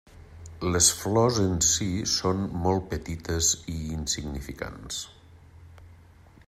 Les flors en si són molt petites i insignificants.